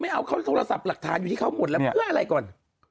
เอาเขาโทรศัพท์หลักฐานอยู่ที่เขาหมดแล้วเพื่ออะไรก่อน